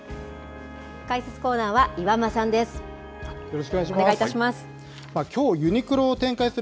解説コーナーは岩間さんです。